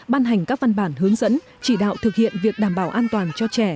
ban hành các văn bản hướng dẫn chỉ đạo thực hiện việc đảm bảo an toàn